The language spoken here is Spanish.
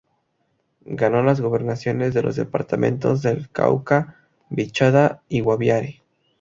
Ganó las gobernaciones de los departamentos del Cauca, Vichada y Guaviare.